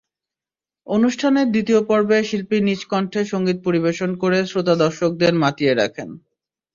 অনুষ্ঠানের দ্বিতীয় পর্বে শিল্পী নিজ কন্ঠে সংগীত পরিবেশন করে শ্রোতা-দর্শকদের মাতিয়ে রাখেন।